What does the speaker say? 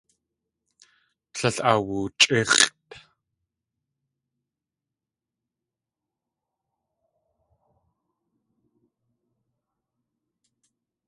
Tlél awoochʼíx̲ʼt.